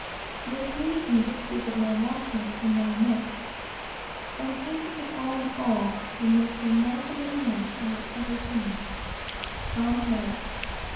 This leads me to speak of my watchmate for nine months and, taking him all in all, the most remarkable man I have ever seen Tom Harris.